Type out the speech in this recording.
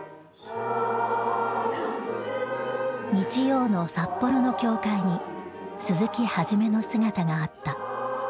日曜の札幌の教会に鈴木一の姿があった。